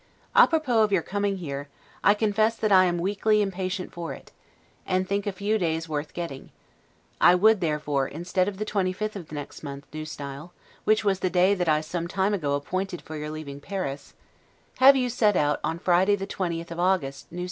'A propos' of your coming here; I confess that I am weakly impatient for it, and think a few days worth getting; I would, therefore, instead of the 25th of next month, N. S., which was the day that I some time ago appointed for your leaving Paris, have you set out on Friday the 20th of August, N. S.